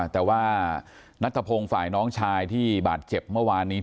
แต่ว่านัทพงศ์ฝ่ายน้องชายที่บาดเจ็บเมื่อวานนี้